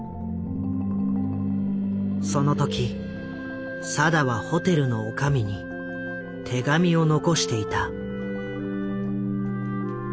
その時定はホテルの女将に手紙を残していた。